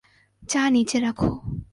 চা নীচে রাখ।